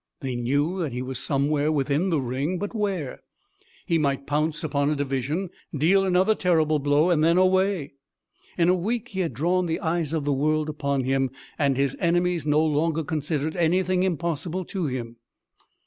They knew that he was somewhere within the ring, but where? He might pounce upon a division, deal another terrible blow and then away! In a week he had drawn the eyes of the world upon him, and his enemies no longer considered anything impossible to him.